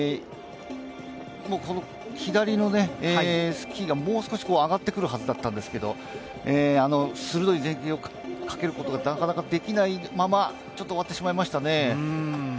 左のスキーがもう少し上がってくるはずだったんですけど鋭い前傾をかけることがなかなかできないまま終わってしまいましたね。